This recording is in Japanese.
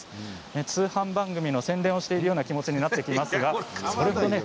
通販番組の宣伝をしているような気持ちになっていますが。